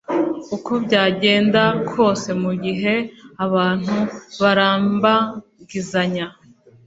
uko byagenda kose mu gihe abantu barambagizanya